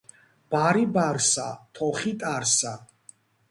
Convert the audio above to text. ბარი-ბარსა, თოხი-ტარსა